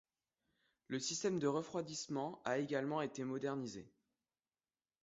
Le système de refroidissement a également été modernisé.